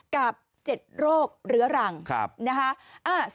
กับ๗โรคเรื้อรังนะคะ